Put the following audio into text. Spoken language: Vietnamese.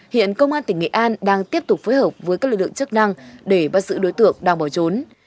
hiện công an tỉnh nghệ an đang tiếp tục phối hợp với các lực lượng chức năng để bắt giữ đối tượng đang bỏ trốn